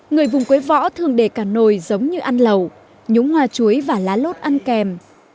người vùng quế võ thường để cả nồi giống như ăn lẩu nhúng hoa chuối và lá lốt ăn kèm